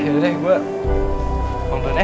yaudah deh gue bangun ya